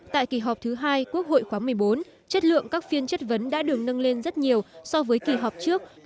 tại kỳ họp thứ hai quốc hội khóa một mươi bốn chất lượng các phiên chất vấn đã được nâng lên rất nhiều so với kỳ họp trước